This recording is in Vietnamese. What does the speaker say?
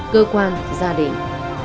cơ quan gia đình